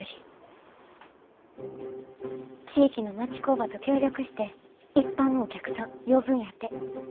地域の町工場と協力して一般のお客さん呼ぶんやて。